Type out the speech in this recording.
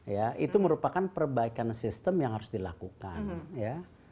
ya itu merupakan perbaikan sistem yang harus dilakukan ya